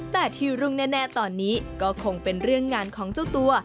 แต่ที่รุ่งแน่ตอนนี้ก็คงเป็นเรื่องงานของเจ้าตัว